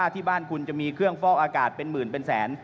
ที่บ้านคุณจะมีเครื่องฟอกอากาศเป็นหมื่นเป็นแสน